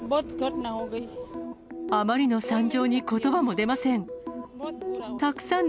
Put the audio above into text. あまりの惨状にことばも出ません。